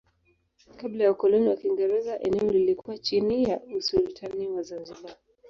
Kabla ya ukoloni wa Kiingereza eneo lilikuwa chini ya usultani wa Zanzibar.